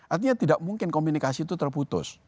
artinya tidak mungkin komunikasi itu terputus